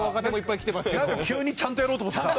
なんか急にちゃんとやろうと思ってさ。